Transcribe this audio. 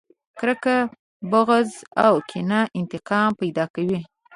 کرکه، بغض او کينه انتقام پیدا کوي.